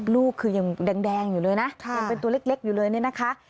ลูกคือยังแดงอยู่เลยนะยังเป็นตัวเล็กอยู่เลยเนี่ยนะคะ